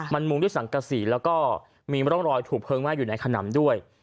มันมุงด้วยสังกษีแล้วก็มีร่องรอยถูกเพลิงไหม้อยู่ในขนำด้วย